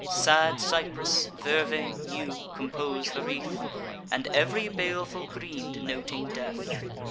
Sad cypress, vervain, yew, compose the wreath, And ev'ry baleful green denoting death.